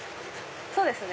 そうですね。